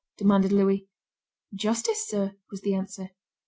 demanded Louis. "Justice, sir," was the answer.